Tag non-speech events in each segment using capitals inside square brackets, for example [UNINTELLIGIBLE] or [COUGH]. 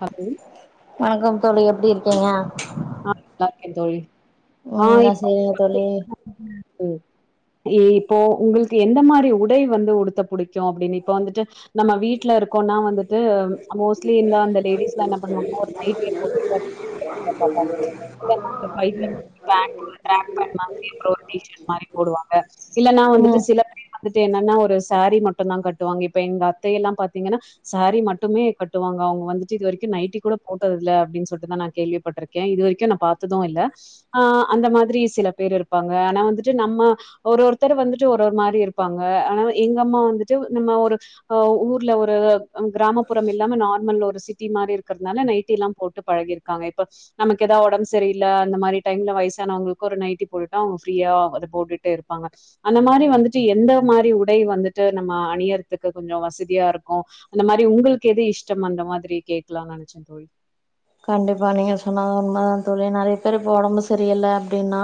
Hello வணக்கம் தோழி எப்டி இருக்கீங்க ஆ நல்லாருக்கே தோழி ம் ஆ சேரிங்க தோழி ம் இ இப்போ உங்களுக்கு எந்த மாரி உடை வந்து உடுத்த பிடிக்கு அப்டினு இப்ப வந்துட்டு நம்ம வீட்ல இருக்கோனா வந்துட்டு மோஸ்ட்லி என்ன அந்த லேடிஸ்லா என்ன பண்ணுவாங்கனா ஒரு நைட்டிய போட்டுட்டு இல்லன்னா அந்த பைஜன் பேண்ட் [UNINTELLIGIBLE] மா ட்ராக் பான்ட் மாதிரி அப்புற ஒரு டீ ஷர்ட் மாரி போடுவாங்க இல்லன்னா வந்துட்டு ம் சில வந்துட்டு என்னன்னா ஒரு சாரி மட்டுந்தா கட்டுவாங்க இப்ப எங்க அத்தயல்லா பாத்தீங்கன்னா சாரி மட்டுமே கட்டுவாங்க அவுங்க வந்துட்டு இது வரைக்கு நைட்டி கூட போட்டதில்ல அப்டின் சொல்ட்டுதா நா கேள்விபட்ரு கே இது வரைக்கு நா பாத்தது இல்ல ஆ அந்த மாதிரி சில பேர் இருப்பாங்க ஆனா வந்துட்டு நம்ம ஒரு ஒருத்தர் வந்துட்டு ஒரு ஒரு மாரி இருப்பாங்க ஆனா எங்க அம்மா வந்துட்டு நம்ம ஒரு அ ஊர்ல ஒரு கிராமப்புறம் இல்லாம நார்மல் ஒரு சிட்டி மாரி இருக்கறனால நைட்டி எல்லா போட்டு பழகிருப் காங்க இப்ப நமக்கு எதா ஒடம்பு சரியில்ல அந்த மாரி டைம்ல வயசானவங்களுக்கு ஒரு நைட்டி போட்டுட்டா அவுங்க ஃப்ரீயா அத போட்டுட்டு இருப்பாங்க அந்த மாரி வந்துட்டு எந்த மாரி உடை வந்துட்டு நம்ம அணியறதுக்கு கொஞ்ச வசதியா இருக்கு அந்த மாரி உங்களுக்கு எது இஷ்டம் அந்த மாதிரி கேட்கலான் நெனைச்சே தோழி கண்டிப்பா நீங்க சொன்னது உண்ம தா தோழி நெறைய பேரு இப்ப ஒடம்பு சரியில்ல அப்படின்னா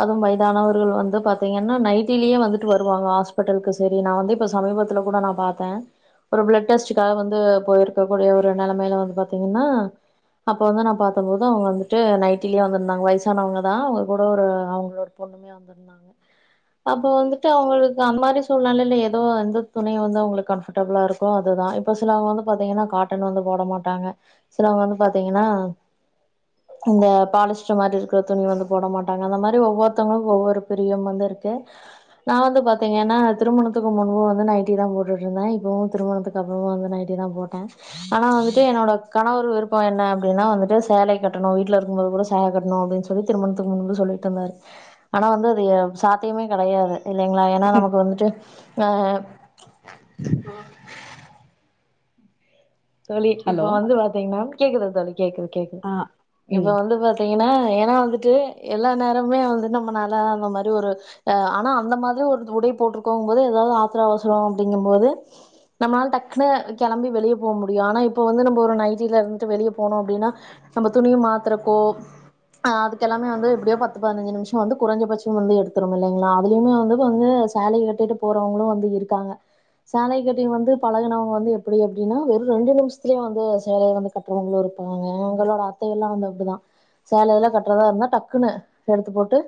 அதும் வயதானவர்கள் வந்து பாத்தீங்கன்னா நைட்டிலியே வந்துட்டு வருவாங்க ஆஸ்பட்டலுக்கு சரி நா வந்து இப்ப சமீபத்துல கூட நா பாத்த ஒரு பிளட் டெஸ்டுக்காக வந்து போயிருக்கக்க கூடிய ஒரு நெலமையில வந்து பாத்தீங்கன்னா அப்ப வந்து நா பாத்தம்போது அவங்க வந்துட்டு நைட்டிலயே வந்திருந்தாங்க வயசானவங்க தா அவங்க கூட ஒரு அவங்களோட ஒரு பொண்ணு யே வந்திருந்தாங்க அப்ப வந்துட்டு அவங்களுக்கு அந்த மாரி சூழ்நிலல்ல ஏதோ அந்த துணியு வந்து அவங்களுக்கு கம்ஃப டபுளா இருக்கோ அதுதா இப்ப சிலவங்க வந்து பாத்தீங்கனா காட்டன் வந்து போட மாட்டாங்க சிலவங்க வந்து பாத் த்தீங்கனா இந்த பாலிஷ் ஷ்டர் மாரி இருகற துணி வந்து போட மாட்டாங்க அந்த மாரி ஒவ்வொருத்தவங்களு ஒவ்வொரு பிரியம் வந்து இருக்கு நா வந்து பாத்தீங்கன்னா திருமணத்துக்கு முன்பு வந்து நைட்டி தா போட்டுட்டு இருந்தே இப்பவு திருமணத்துக்கு அப்பறமா வந்து நைட்டிதா போட்டே ஆனா வந்துட்டு என்னோட கணவர் விருப் இப்ப என்ன அப்டின்னா வந்துட்டு சேலைய கட்டணு வீட்ல இருக்கும்போது கூட சேலை கட்டணு அப்டின்னு சொல்லி திருமணத்துக்கு முன்பு சொல்லிட்டு இருந்தாரு ஆனா வந்து அதியே சாத்தியமே கெடையாது இல்லைங்களா ஏன்னா நமக்கு வந்துட்டு ஆ தோழி இப்ப ஹலோ. வந்து பாத்தீங்கன்னா கேக்குது தோழி கேக்குது கேக்குது ஆ. இப்ப ம். வந்து பாத் தீங்கன்னா ஏன்னா வந்துட்டு எல்லா நேரமுமே வந்து நம்மநால அந்த மாரி ஒரு அ ஆனா அந்த மாதிரி ஒரு உடை போட்டிருக்கோங்கும்போது ஏதாவது ஆத்தரோ அவசரோ அப்டிங்கும் போது நம்மனால டக்குன்னு கெளம்பி வெளிய போ முடியு ஆனா இப்ப வந்து நம்ம ஒரு நைட்டில இருந்துட்டு வெளிய போனோ அப்டின்னா நம்ம துணிய மாத்தறக்கோ ஆ அதுக்கெல்லாமே வந்து எப்டியோ பத்து பதினஞ்சி நிம்ஷோ வந்து குறைஞ்ச பட்சம் வந்து எடுத்துரும் இல்லைங்களா அதுலயுமே அந்த இது வந்து சேலைய கட்டிட்டு போறவங்களு வந்து இருக்காங்க சேலைய கட்டி வந்து பழகுனவங்க வந்து எப்டி எப்டின்னா வெரு ரெண்டு நிமிஷத்துலயே வந்து சேலய வந்து கட்டுறவங்களு இருக்குறாங்க எங்களோட அத்தையெல்லா வந்து அப்டிதா சேலையல்லா கட்றதா இருந்தா டக்குன்னு எடுத்து போட்டு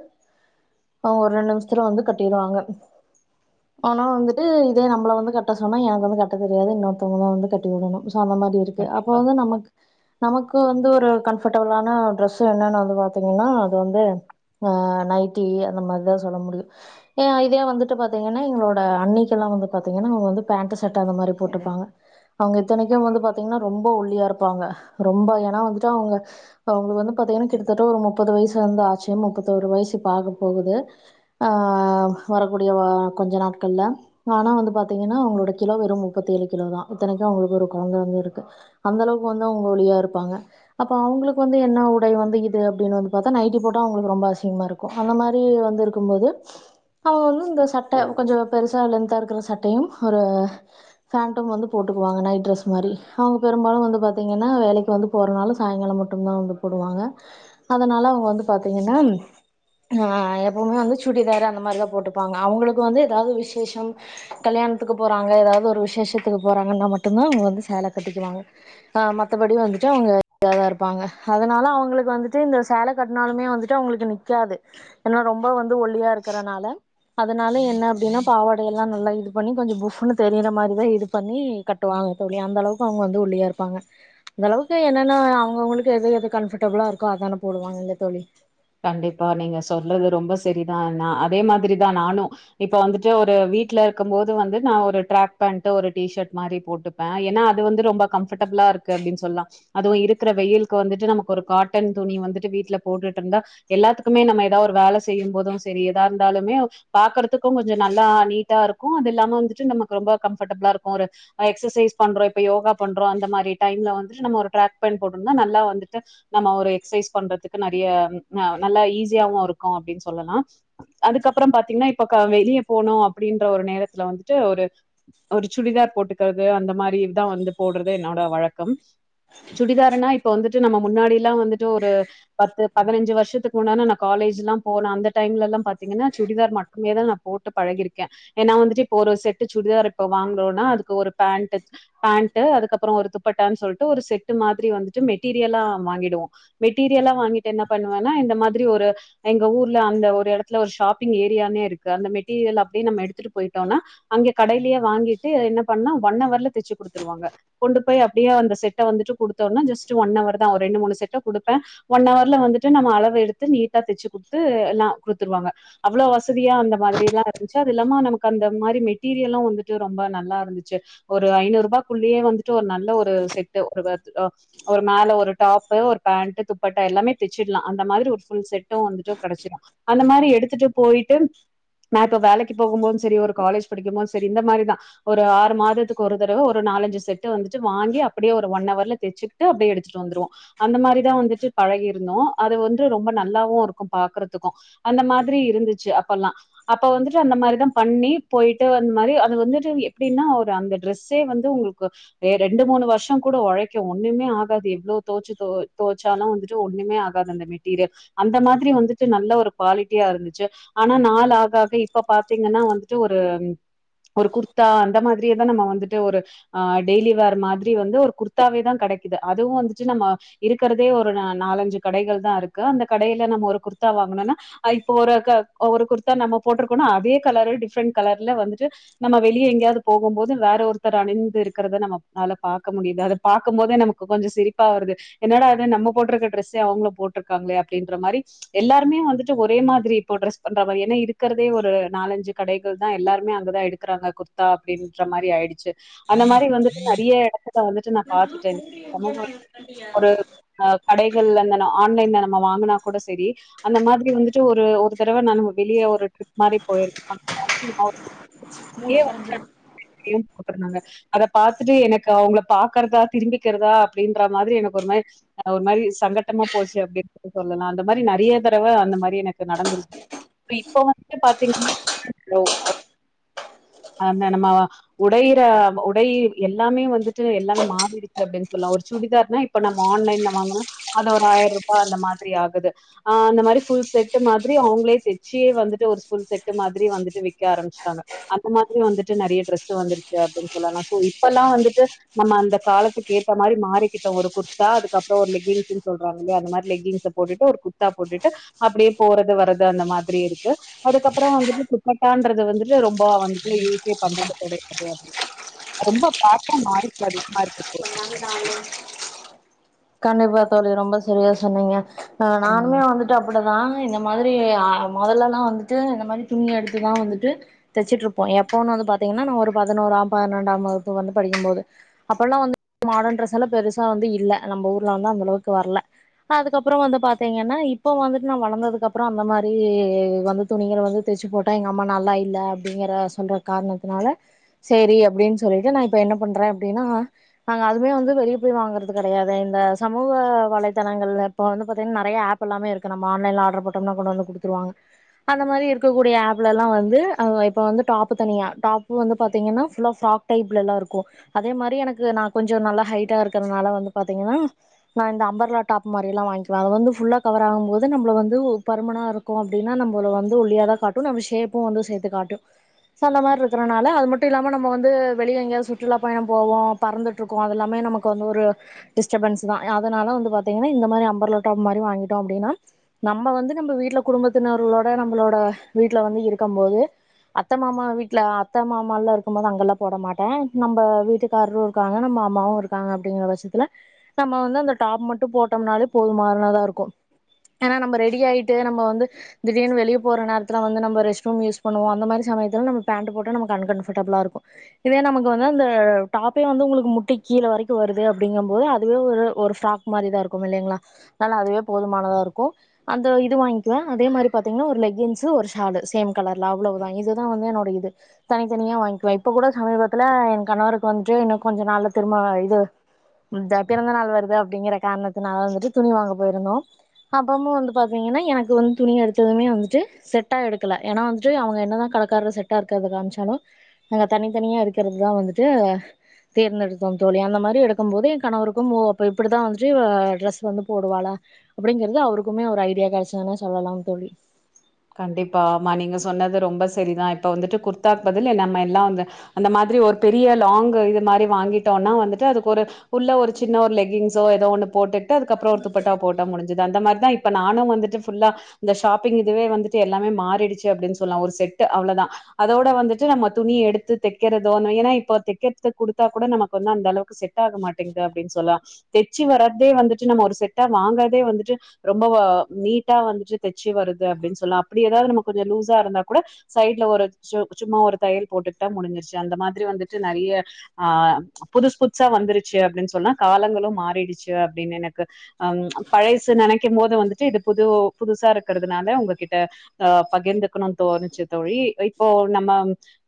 அவுங்க ஒரு ரெண்டு நிமிஷத்துல வந்து கட்டிருவாங்க ஆனா வந்துட்டு இதே நம்மள வந்து கட்ட சொன்னா எனக்கு வந்து கட்ட தெரியாது இன்னொருத்தவங்க தா வந்து கட்டி விடணு சோ அந்த மாரி இருக்கு அப்ப கண்டிப்பா. வந்து நமக்கு நமக்கு வந்து ஒரு கம்ஃபர்டபிளான டிரெஸ் என்னன்னு வந்து பாத்தீங்கன்னா அது வந்து ஆ நைட்டி அந்த மாரிதா சொல்ல முடியு ஏ இதே வந்துட்டு பாத்தீங்கன்னா எங்களோட அன்ணிக்குல்லா வந்து பாத்தீங்கன்னா அவங்க வந்து பேண்ட ஷர்ட் அந்த மாரி போட்டுப்பாங்க அவுங்க இத்தனைக்கு வந்து பாத்தீங்கன்னா ரொம்ப ஒல்லியா இருப்பாங்க ரொம்ப ஏன்னா வந்துட்டு அவுங்க இப்ப அவுங்களுக்கு வந்து பாத்தீங்கன்னா கிட்டத்தட்ட ஒரு முப்பது வயசு வந்து ஆச்சி முப்பத்தோரு வயசு இப்ப ஆக போகுது ஆ வரக்கூடிய கொஞ்ச நாட்கள்ல ஆனா வந்து பாத்தீங்கன்னா அவுங்களோட கிலோ வெறு முப்பத்தி ஏழு கிலோதா இத்தனைக்கு அவுங்களுக்கு ஒரு கொழந்த வந்து இருக்கு அந்த அளவுக்கு வந்து அவங்க ஒலியா இருப்பாங்க அப்ப அவுங்களுக்கு வந்து என்ன உடை வந்து இது அப்டின்னு வந்து பாத்தா நைட்டி போட்டா அவுங்களுக்கு ரொம்ப அசிங்கமா இருக்கு அந்த மாரி வந்து இருக்கும் போது அவுங்க வந்து இந்த சட்டை கொஞ்சோ பெருசா லென்தா இருக்குற சட்டையும் ஒரு சாப்டோம் வந்து போட்டுக்குவாங்க நைட் ட்ரெஸ் மாரி அவுங்க பெரும்பாலு வந்து பாத்தீங்கன்னா வேலைக்கு வந்து போறனால சாயங்காலம் மட்டுந்தா வந்து போடுவாங்க அதனால அவுங்க வந்து பாத்தீங்கன்னா ஆ எப்பவுமே வந்து சுடிதாரு அந்த மாரிதா போட்டுப்பாங்க அவுங்களுக்கு வந்து ஏதாவது விசேஷம் கல்யாண த்துக்கு போறாங்க ஏதாவது ஒரு விசேஷத்துக்கு போறாங்கன்னா மட்டுந்தா அவுங்க வந்து சேல கட்டிக்குவாங்க ஆ மத்தபடி வந்துட்டு அவுங்க இதாதா இருப்பாங்க அதனால அவுங்களுக்கு வந்துட்டு இந்த சேல கட்டுனாலுமே வந்துட்டு அவுங்களுக்கு நிக்காது ஏன்னா ரொம்ப வந்து ஒல்லியா இருக்கறனால அதனால என்ன அப்டின்னா பாவடை எல்லா நல்லா இது பண்ணி கொஞ்சோ புப்புன்னு தெரியிற மாரிதா இது பண்ணி கட்டுவாங்க தோழி அந்த அளவுக்கு அவுங்க வந்து ஒல்லியா இருப்பாங்க அந்தளவுக்கு என்னென்னா அவுங்கவுங்களுக்கு எது எது கம்ஃபர்டபிளா இருக்கோ அதான போடுவாங்க இல்ல தோழி கண்டிப்பா நீங்க சொல்றது ரொம்ப செரிதா நா அதே மாதிரிதா நானு இப்ப வந்துட்டு ஒரு வீட்ல இருக்கும் போது வந்து நா ஒரு ட்ராக் பேண்ட் ஒரு டீஷர்ட் மாரி போட்டுப் பே ஏன்னா அது வந்து ரொம்ப கம்ஃபர்டபிளா இருக்கு அப்டின் சொல்லலா அதுவு இருக்குற வெயிலுக்கு வந்துட்டு நமக்கு ஒரு காட்டன் துணி வந்துட்டு வீட்ல போட்டுட்டு இருந்தா எல்லாத்துக்குமே நம்ம ஏதாவது ஒரு வேலை செய்யும் போது செரி ஏதா இருந்தாலுமே பாக்குறதுக்கு கொஞ்சோ நல்லா நீட்டா இருக்கு அது இல்லாம வந்துட்டு நமக்கு ரொம்ப கம்ஃபர்டபிளா இருக்கு ஒரு ஆ எக்சசைஸ் பண்றோ இப்ப யோகா பண்றோ அந்த மாரி டைம்ல வந்துட்டு நம்ம ஒரு ட்ராக் பேண்ட் போட்ருந்தா நல்லா வந்துட்டு நம்ம ஒரு எக்ஸ்சைஸ் ‌பண்றதுக்கு நறைய‌ நல்லா ஈசியாவு இருக்கூ அப்டின் சொல்லலா அதுக்கப்பறம் பாத்தீங்கன்னா இப்ப கா வெளியே போனோ அப்டின்ற ஒரு நேரத்துல வந்துட்டு ஒரு ஒரு சுடிதார் போட்டுக்கறது அந்த மாரிதா வந்து போடுறது என்னோட வழக்கம் சுடிதாருனா இப்ப வந்துட்டு நம்ம முன்னாடி எல்லாம் வந்துட்டு ஒரு பத்து பதினஞ்சு வருஷத்துக்கு முன்னானே நா காலேஜ்ல்லாம் போன அந்த டைம்ல எல்லாம் பாத்தீங்கன்னா சுடிதார் மட்டுமே தா நா போட்டு பழகிருக்கேன் ஏன்னா வந்துட்டு இப்ப ஒரு செட்டு சுடிதார் இப்ப வாங்குறோனா அதுக்கு ஒரு பேண்டூ பேண்ட்டு அதுக்கப்பறம் ஒரு துப்பட்டான்னு சொல்லிட்டு ஒரு செட்டு மாதிரி வந்துட்டு மெட்டீரியலா வாங்கிடுவோ மெட்டீரியலா வாங்கிட்டு என்ன பண்ணுவன்னா இந்த மாதிரி ஒரு எங்க ஊர்ல அந்த ஒரு எடத்துல ஒரு ஷாப்பிங் ஏரியானே இருக்கு அந்த மெட்டீரியல அப்டியே நம்ம எடுத்துட்டு போயிட்டோனா அங்கே கடையிலேயே வாங்கிட்டு என்ன பண்ணா ஒன் அவர்ல தெச்சு குடுத்துருவாங்க கொண்டு போய் அப்டியே அந்த செட்ட வந்துட்டு குடுத்தோனா ஜஸ்ட் ஒன் அவர் தா ஒரு ரெண்டு மூணு செட்ட குடு அ ஒன் அவர்ல வந்துட்டு நம்ம அளவு எடுத்து நீட்டா தெச்சு குடுத்து எல்லா குடுத்துருவாங்க அவ்ளோ வசதியா அந்த மாதிரி எல்லா இருந்துச்சு அது இல்லாம நமக்கு அந்த மாரி மெட்டீரியலு வந்துட்டு ரொம்ப நல்லா இருந்துச்சு ஒரு ஐநூறு ரூபா குள்ளேயே வந்துட்டு ஒரு நல்ல ஒரு செட்டு ஒரு ஒரு மேல ஒரு டாப்பு ஒரு பேண்ட்டு துப்பட்டா எல்லாமே தெச்சிட்லா அந்த மாதிரி ஒரு ஃபுல் செட்டும் வந்துட்டு கெடச்சிரு அந்த மாரி எடுத்துட்டு போயிட்டு நா இப்போ வேலைக்கி போகும்போது செரி ஒரு காலேஜ் படிக்கும்போது செரி இந்த மாரிதா ஒரு ஆறு மாதத்துக்கு ஒரு தடவ ஒரு நாலஞ்சு செட்டு வந்துட்டு வாங்கி அப்டியே ஒரு ஒன் அவர்ல தெச்சிரு ட்டு அப்டியே எடுத்துட்டு வந்துருவோ அந்த மாரிதா வந்துட்டு பழகி இருந்தோ அது வந்து ரொம்ப நல்லாவு இருக்கும் பாக்கறதுக்கூ அந்த மாதிரி இருந்துச்சு அப்பல்லா அப்ப வந்துட்டு அந்த மாரிதா பண்ணி போயிட்டு அந்த மாரி அது வந்துட்டு எப்டின்னா ஒரு அந்த ட்ரெஸ் ட்ரெஸ்சே வந்து உங்குளுக்கு ரெண்டு மூணு வருஷோங் கூட ஒழைக்கும் ஒண்ணுமே ஆகாது எவ்ளோ தோச்சு தோ தோச்சாலு வந்துட்டு ஒண்ணுமே ஆகாது அந்த மெட்டீரியல் அந்த மாதிரி வந்துட்டு நல்ல ஒரு குவாலிட்டியா இருந்துச்சு ஆனா நாள் ஆக ஆக இப்ப பாத்தீங்கன்னா வந்துட்டு ஒரு ஒரு குர்த்தா அந்த மாதிரியேதா நம்ம வந்துட்டு ஒரு ஆ டெய்லி வேர் மாதிரி ஒரு குர்தாவேதா கெடைக்குது அதுவு வந்துட்டு நம்ம இருக்கறதே ஒரு நாலஞ்சு கடைகள் தா இருக்கு அந்த கடையில நம்ம ஒரு குர்த்தா வாங்கணுனா ஆ இப்ப ஒரு ஒரு குர்த்தா நம்ம போடிருக்கோனா அதே கலரு டிஃப்ரெண்ட் கலர்ல வந்துட்டு நம்ம வெளியே எங்கேயாவ்து போகும் போது வேற ஒருத்தர் அணிந்து இருக்கிறத நம்மால பாக்க முடியுது அத பாக்கும் போதே நமக்கு கொஞ்சொ சிரிப்பா வருது என்னடா இது நம்ப போட்ருக்க டிரெஸ்ஸே அவுங்களும் போட்ருக்காங்களே அப்டின்ற மாரி எல்லாருமே வந்துட்டு ஒரே மாதிரி இப்போ டிரஸ் பண்ற மாரி ஏன்னா இருக்கிறதே ஒரு நாலஞ்சு கடைகள் தான் எல்லாருமே அங்கதா எடுத் க்குறாங்க குர்தா அப்டின்ற மாரி ஆயிடுச்சி அந்த மாரி வந்துட்டு நறைய எடத்துல வந்துட்டு நா பாத்துட்டே சமூக ஒரு அ கடைகள்லந்தனா ஆன்லைன்ல நம்ம வாங்குனா கூட செரி அந்த மாதிரி வந்துட்டு ஒரு ஒரு தடவ நானு வெளியே ஒரு ட்ரிப் மாதிரி போயிரு [UNINTELLIGIBLE] [INAUDIBLE] போட்ருந்தாங்க அத பாத்துட்டு எனக்கு அவுங்கள பாக்கறதா திரும்பிக்கறதா அப்டின்ற மாதிரி எனக்கு ஒரு மாதரி ஒரு மாதரி சங்கட்டமா போச்சு அப்டி சொல்லலா அந்த மாரி நறைய தடவ அந்த மாரி எனக்கு நடந்துருச்சு இப்ப வந்து பாத்தீங்கன்னா [INAUDIBLE] ந்த நம்ம உடையிற உடை எல்லாமே வந்துட்டு எல்லாமே மாறிருக்கு அப்டின் சொல்லலா ஒரு சுடிதார்னா இப் இப்ப நம்ம ஆன்லைன்ல வாங்கனா அத ஒரு ஆயிரம் ரூபாய் அந்த மாதிரி ஆகுது ஆ அந்த மாதிரி ஃபுல் செட் மாதிரி அவுங்களே தெச்சியே வந்துட்டு ஒரு ஃபுல் செட் மாதிரி வந்துட்டு விக்க ஆரம்பிச்சட்டாங்க அந்த மாதிரி வந்துட்டு நறைய டிரெஸ் வந்துருச்சு அப்பிடின்னு சொல்லலாம் சோ இப்பெல்லாம் வந்துட்டு நம்ம அந்த காலத்துக்கு ஏத்த மாதிரி மாறிக்கிட்டோம் ஒரு குர்த் குர்தா அதுக்கப்பற ஒரு லெகின்ஸ் சொல்றாங்களே அந்த மாதிரி லெகின்ஸ போட்டு குர்த்தா போட்டுட்டு அப்பிடியே போறது வர்றது அந்த மாதிரி இருக்கு அதுக்கப்புறம் வந்துட்டு துப்பட்டான்றது வந்துட்டு ரொம்ப வந்துட்டு யூஸே பண்ணது கெடையாது அப்பட ரொம்ப பாப்பா நாய்ஸ் அதிகமா இருக்குது [INAUDIBLE] கண்டிப்பா தோழி ரொம்ப செரியா சொன்னீங்க ம். நானுமே வந்துட்டு இங்க அப்பிடிதான் இந்த மாதிரி மொதல்ல எல்லாம் வந்துட்டு இந்த மாதிரி துணி எடுத்துதான் வந்துட்டு தைச்சுட்டு இருப்போம் எப்போன்னு வந்து பாத்தீங்கன்னா நம்ப ஒரு பதினோராம் பன்னினெண்டாம் வகுப்பு படிக்கும்போது அப்பறமா எல்லாம் வந்து மாடர்ன் ட்ரெஸ் எல்லாம் பெருசா வந்தது இல்ல நம்ம ஊர்ல வந்து அந்த அளவுக்கு வரல அதுக்கப்புறம் வந்து பாத்தீங்கன்னா இப்ப வந்துட்டு நான் வளந்ததுக்கு அப்புறம் அந்த மாதிரி வந்து துணிங்கள வந்து தைச்சு போட்டா எங்க அம்மா நல்லா இல்ல அப்டின்ற காரணத்தினால செரி அப்பிடின்னு சொல்லிட்டு நான் இப்ப என்ன பண்றேன் அப்பிடின்னா நாங்க ஆல்ரெடி வந்து வெளிய போயி வாங்குறது கெடையாது இந்த சமூக வலைதளங்கள் இப்ப வந்து பாத்தீங்கன்னா நறைய ஆப் இப்பல்லாமே இருக்கு நம் ஆன்லைன்ல ஆர்டர் பட்டோம்னா கொண்டு வந்து குடுத்துருவாங்க அந்த மாரி இருக்கக்கூடிய ஆப்ல எல்லாம் வந்து ஆ இப்ப வந்து டாப்பு தனியா டாப் பூ வந்து பாத்தீங்கன்னா ஃபுல்லாாக் சாப்ட் டைப்லல்லா இருக்கும் அதே மாரி எனக்கு நா கொஞ்சோ நல்லா ஹைட்டா இருக்கறதுனால வந்து பாத்தீங்கன்னா நான் இந்த அம்பர்லா டாப் மாதிரில்லாம் வாங்கிலாம் அது வந்து ஃபுல்லா கவர் ஆகும்போது நம்மள வந்து பருமனா ஓ அப்பிடின்னா நம்மள வந்து ஒல்லியா தான் காட்டும் நம்ம ஷேப்பும் வந்து சேத்து காட்டும் சொல்ற மாரி இருக்கிறனால அது மட்டு இல்லாம நம்ம வந்து வெளிய எங்கயாவ சுற்றுலா பயணம் போவோ பறந்து ட்டுருக்கோ அதெல்லாமே நமக்கு அது ஒரு டிஸ்டர்பன்ஸ் தான் அதனால வந்து பாத்தீங்கன்னா இந்த மாரி அம்பர்லா டாப் மாரி வாங்கிட்டோம் அப்பிடின்னா நம்ம வந்து நம்ம வீட்ல குடும்பத்தினர்களோட நம்பளோட வீட்ல வந்து இருக்கும் போது அத்த மாமா வீட்ல அத்த மாமா எல்லாம் இருக்கும் போது அங்கெல்லாம் போட மாட்டேன் நம்ம வீட்டுக்கார கவனி மாமாவு இருக்காங்க அப்டிங்கிற பட்சத்துல நம்ம வந்து அந்த டாப் மட்டும் போட்டோம்னாலே போது மாறினதா இருக்கும் ஏன்னா நம்ம ரெடி ஆயிட்டு ட்டு நம்ப வந்து திடீர்னு வெளிய போற நேரத்துல வந்து நம்ம ரெஸ் ரூம் யூஸ் பண்ணுவோ அந்த மாறி சமயத்துல நம்ம பேண்ட் போட்டா நம்ம அன் கம் கம்பர்டபுளா இருக்கும் இதுவே நமக்கு வந்து அந்த டாப் இப்பயே வந்து உங்களுக்கு முட்டி கீழே வரைக்கும் வருது அப்டிங்கும் போது அதுவே ஒரு ஒரு ஃப்ராக் மாறி தான் இருக்கும் இல்லைங்களா அதனால அதுவே போதுமானதா இருக்கோ அந்த இது வாங்கிக்குவேன் அதே மாறி பாத்தீங்கன்னா ஒரு லெகின்ஸ் ஒரு ஷாலு சேம் கலர்ல அவ்ளவு தான் இதுதான் வந்து என்னோடைய இது தனித்தனியா வாங்கிகிவேன் இப்ப கூட சமீபத்துல என் கணவருக்கு வந்துட்டு இன்னும் கொஞ்சம் நாள்ல திரும்ப இது பிறந்த நாள் வருது அப்டிங்கிற காரணத் னால வந்துட்டு துணி வாங்க போயிருந்தோம் அப்பமா வந்து பாத்தீங்கன்னா எனக்கு வந்து துணி எடுத்ததுமே வந்துட்டு செட்டா எடுக்கல ஏன்னா வந்துட்டு அவுங்க என்னதான் கடக்கார செட் மெட்டா இருக்கிறது காமிச்சாலும் அங்க தனித்தனியா இருக்கறது தான் வந்துட்டு தேர்ந்தெடுத்தோம் தோழி அந்த மாதிரி எடுக்கும் போது என் கணவருக்கும் அப்ப இப்பிடிதான் வந்துட்டு இவ டிரெஸ் வந்து போடுவாளா அப்பிடிங்கறது அவருக்குமே ஒரு ஐடியா கடைச்சதுன்னு சொல்லலாம் தோழி கண்டிப்பா ஆமா நீங்க சொன்னது ரொம்ப செரிதான் இப்ப வந்துட்டு குர்த்தாக்கு பதில் நம்ம எல்லாம் வந்து அந்த மாதிரி ஒரு பெரிய லாங் இது மாறி வாங்கிட்டோம்னா வந்துட்டு அதுக்கு ஒரு உள்ள ஒரு சின்ன ஒரு லெகின்ஸோ ஏதோ ஒன்னு போட்டு டு அதுக்கப்பறஒரு துப்பாட்டாவ போட்டா முடுஞ்சுது அந்த மாரி தா இப்ப நானு வந்துட்டு ஃபுல்லா இந்த ஷாப்பிங் இதுவே வந்துட்டு எல்லாமே மாறிடுச்சு அப்டின்னு சொல்லலா ஒரு செட் அவ்ளோதா அதோட வந்துட்டு நம்ம துணி எடுத்து தக்கிறதோ ஏனா இப்ப தக்கிறதுக்கு குடுத்தா கூட நமக்கு வந்து அந்த அளவுக்கு செ ட்டாக மாட்டேங்கிது அப்டின்னு சொல்லா தச்சு வராதே வந்துட்டு நம்ம ஒரு செட்டா வாங்குறதே வந்துட்டு ரொம்ப வ நீட்டா வந்துட்டு தச்சு வருது அப்டின்னு சொல்லா அப்பிடி ஏதாவது நம்ம கொஞ்ச லூஸா இருந்தா கூட சைட்ல ஒரு சு சும்மா ஒரு தையல் போட்டுட்டா முடிஞ்சிருச்சு அந்த மாதிரி வந்துட்டு நெறைய ஆ புதுசுபுதுசா வந்துருச்சு அப்டின்னு சொன்னா காலங்களு மாறிடுச்சு அப்டின்னு எனக்கு அ ம் பழைசு நெனைக்கும் போது வந்துட்டு இது புது புதுசா இருக்கிற துனால உங்ககிட்ட அ பகிர்ந்துக்கணுனு தோணுச்சு தோழி இப்போ நம்ம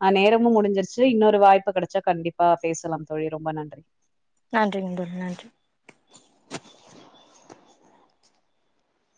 ஆ நேரமு முடிஞ்சிருச்சு இன்னொரு வாய்ப்பு கெடைச்சா கண்டிப்பா பேசலா தோழி ரொம்ப நன்றி நன்றிங்க தோழி நன்றி